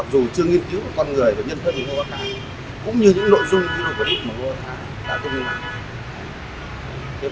dù chưa nghiên cứu con người và nhân thân của ngô ba khá cũng như những nội dung video clip của ngô ba khá đã không nghe mạng